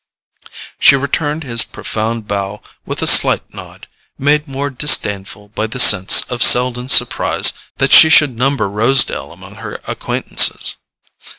She returned his profound bow with a slight nod, made more disdainful by the sense of Selden's surprise that she should number Rosedale among her acquaintances.